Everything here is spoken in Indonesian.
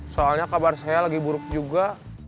soalnya kabar saya lagi buruk juga